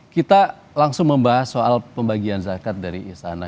kita langsung membahas soal pembagian zakat dari istana